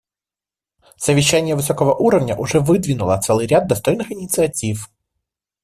Совещание высокого уровня уже выдвинуло целый ряд достойных инициатив.